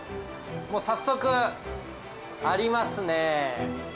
早速ありますね。